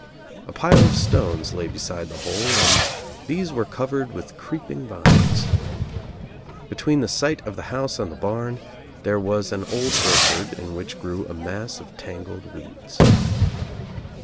A pile of stones ■lay beside the hole and these were covered with creep 72 THE TRIUMPH OP THE EGG ing vines. Between the site of the house and the barn there was an old orchard In which grew a mass of tangled weeds.